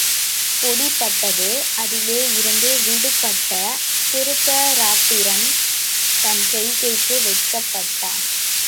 பொடிபட்டது அதிலே இருந்து விடுபட்ட திருதராட்டிரன் தன் செய்கைக்கு வெட்கப்பட்டான்.